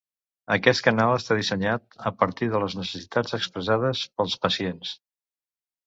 Aquest canal està dissenyat a partir de les necessitats expressades pels pacients.